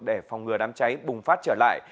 để phòng ngừa đám cháy bùng phát trở lại